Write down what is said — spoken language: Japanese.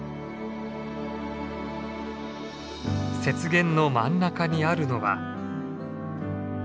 雪原の真ん中にあるのは。